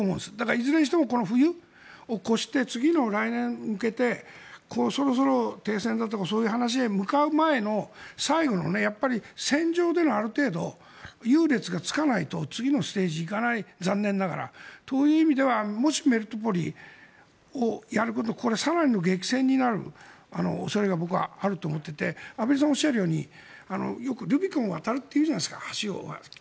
いずれにしても、この冬を越して次の来年に向けてそろそろ停戦だとかそういう話へ向かう前の最後の戦場でのある程度の優劣がつかないと次のステージに行かない残念ながら。という意味ではメリトポリをやることは更なる激戦になる恐れが僕はあると思っていて畔蒜さんがおっしゃるようによくルビコンを渡るって言うじゃないですか。